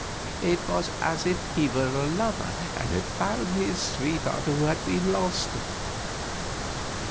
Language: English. It was as if he were a lover and had found his sweetheart who had been lost.